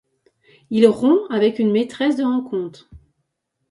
Il rompt avec une maîtresse de rencontre.